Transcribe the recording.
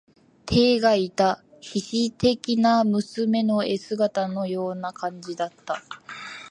てえがいた、稗史的な娘の絵姿のような感じだった。